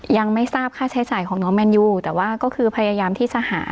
ยังไม่ทราบค่าใช้จ่ายของน้องแมนยูแต่ว่าก็คือพยายามที่จะหา